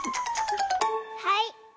はい！